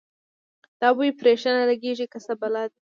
دا بوی پرې ښه نه لګېږي که څه بلا ده.